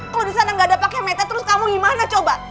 kalo disana gak ada pak kemetnya terus kamu gimana coba